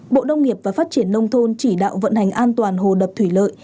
ba bộ đông nghiệp và phát triển nông thôn chỉ đạo vận hành an toàn hồ đập thủy lợi